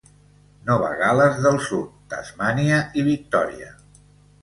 Nova Gal·les del Sud, Tasmània i Victòria.